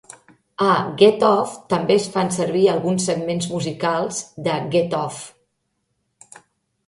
A "Get off" també es fan servir alguns segments musicals de "Get off".